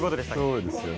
そうですよね。